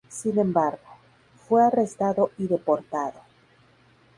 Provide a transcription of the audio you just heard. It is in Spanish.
Sin embargo, fue arrestado y deportado.